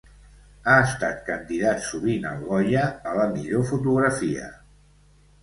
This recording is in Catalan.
Ha estat candidat sovint al Goya a la millor fotografia.